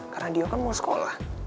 karena dio kan mau sekolah